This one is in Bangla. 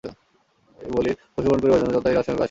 এই বলির পশু গ্রহণ করিবার জন্য চোন্তাই রাজসমীপে আসিয়াছেন।